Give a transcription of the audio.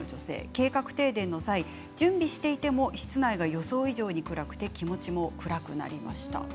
計画停電の際準備していても室内が予想以上に暗くて気持ちも暗くなりました。